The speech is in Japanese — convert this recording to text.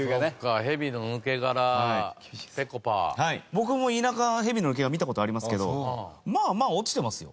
僕も田舎蛇の抜け殻見た事ありますけどまあまあ落ちてますよ。